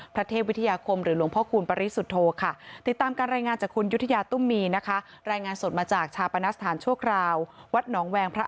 พระเทพวิทยาคมหรือหลวงพ่อคูณปริสุทธโธค่ะ